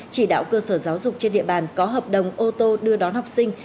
chỉ đạo cơ sở giáo dục trên địa bàn có hợp đồng ô tô đưa đón học sinh